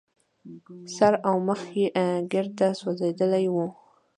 سر او مخ يې ګرده سوځېدلي وو.